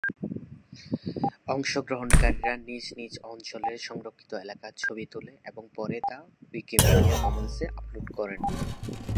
অংশগ্রহণকারীরা নিজ-নিজ অঞ্চলের সংরক্ষিত এলাকার ছবি তুলে, এবং পরে তা উইকিমিডিয়া কমন্সে আপলোড করে।